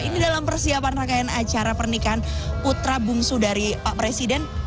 ini dalam persiapan rangkaian acara pernikahan putra bungsu dari pak presiden